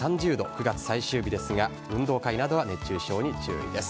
９月最終日ですが運動会などは熱中症に注意です。